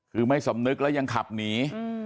คือไม่สำนึกแล้วยังขับหนี